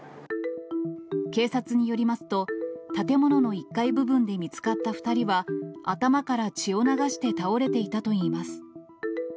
警察によりますと、建物の１階部分で見つかった２人は、頭から血を流して倒れていたといいます。